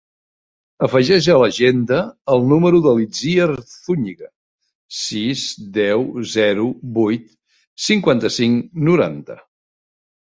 Afegeix a l'agenda el número de l'Itziar Zuñiga: sis, deu, zero, vuit, cinquanta-cinc, noranta.